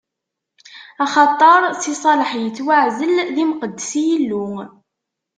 Axaṭer Si Salaḥ ittwaɛzel d imqeddes i Yillu-is.